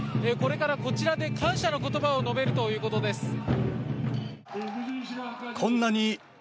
これから、こちらで感謝の言葉を述べるということです。